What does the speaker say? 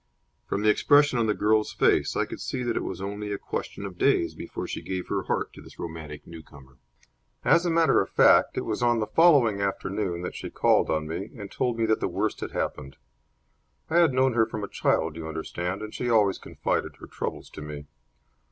From the expression on the girl's face I could see that it was only a question of days before she gave her heart to this romantic newcomer. As a matter of fact, it was on the following afternoon that she called on me and told me that the worst had happened. I had known her from a child, you understand, and she always confided her troubles to me.